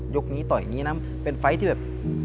ยกนี้ต่อยแบบนี้นะเป็นไฟล์ทที่แบบ